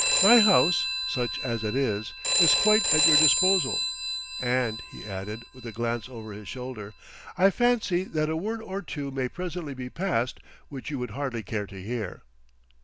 "My house, such as it is, is quite at your disposal. And," he added, with a glance over his shoulder, "I fancy that a word or two may presently be passed which you would hardly care to hear."